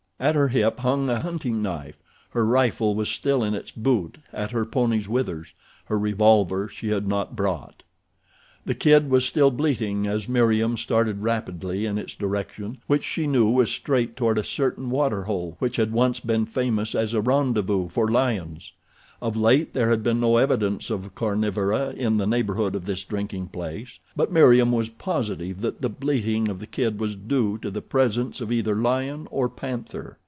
At her hip hung a hunting knife. Her rifle was still in its boot at her pony's withers. Her revolver she had not brought. The kid was still bleating as Meriem started rapidly in its direction, which she knew was straight toward a certain water hole which had once been famous as a rendezvous for lions. Of late there had been no evidence of carnivora in the neighborhood of this drinking place; but Meriem was positive that the bleating of the kid was due to the presence of either lion or panther.